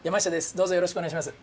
どうぞよろしくおねがいします。